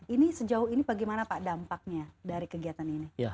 ini sejauh ini bagaimana pak dampaknya dari kegiatan ini